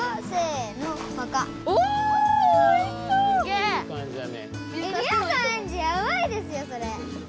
それ。